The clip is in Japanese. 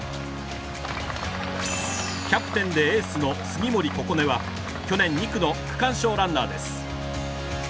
キャプテンでエースの杉森心音は去年２区の区間賞ランナーです。